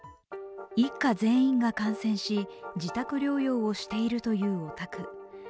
一家全員が感染し、自宅療養をしているというお宅。